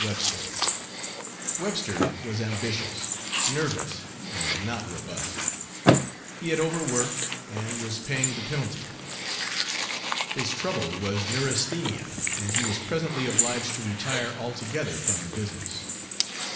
Webster. Webster was ambitious, nervous, and not robust. He had overworked and was paying the penalty. His trouble was neurasthenia, and he was presently obliged to retire altogether from the business.